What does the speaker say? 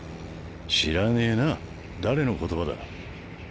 知らねえな誰の言葉だ？